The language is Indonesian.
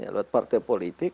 lewat partai politik